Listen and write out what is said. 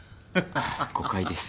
誤解です。